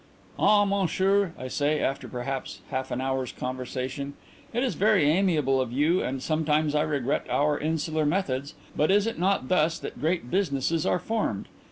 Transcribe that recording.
'Ah, monsieur,' I say, after perhaps half an hour's conversation, 'it is very amiable of you and sometimes I regret our insular methods, but it is not thus that great businesses are formed.